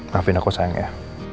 maafin aku sayang ya